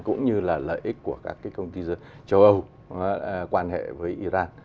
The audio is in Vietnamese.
cũng như là lợi ích của các công ty châu âu quan hệ với iran